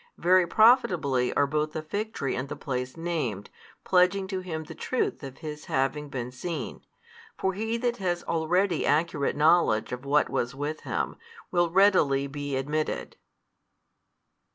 Very profitably are both the fig tree and the place named, pledging to him the truth of his having been seen. For he that has already accurate knowledge of what was with him, will readily be admitted.